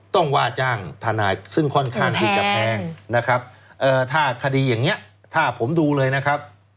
ต้องว่าจ้างทนายซึ่งค่อนข้างดีกว่าแพงถ้าคดีอย่างนี้ถ้าผมดูเลยนะครับ